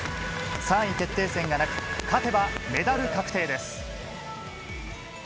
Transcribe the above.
３位決定戦がなく勝てばメダル確定です。